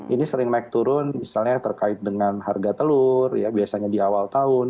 ini sering naik turun misalnya terkait dengan harga telur ya biasanya di awal tahun